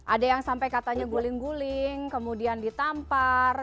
ada yang sampai katanya guling guling kemudian ditampar